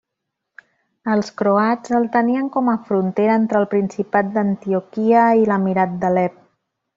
Els croats el tenien com a frontera entre el principat d'Antioquia i l'emirat d'Alep.